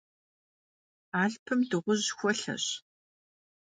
Alhpım dığuj xuelheş.